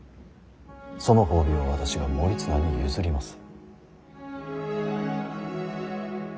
その褒美を私が盛綱に譲ります。